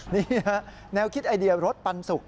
นี่ฮะแนวคิดไอเดียรถปันสุก